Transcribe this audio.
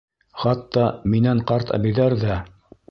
Хатта минән ҡарт әбейҙәр ҙә.